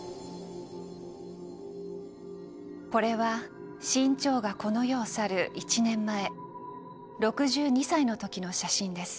これは志ん朝がこの世を去る１年前６２歳の時の写真です。